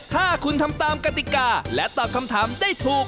ถ้าคุณทำตามกติกาและตอบคำถามได้ถูก